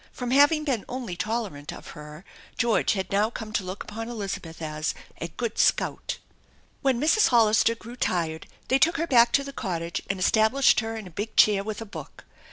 From having been only tolerant of her George had now come to look upon Elizabeth as "a good scout." When Mrs. Hollister grew tired they took her back to the cottage and established her in a big chair with p hook.